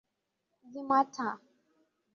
Zima taa.